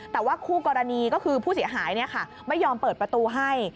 แต่ว่าคู่กรณีก็คือผู้เสียหายไม่ยอมเปิดประตูให้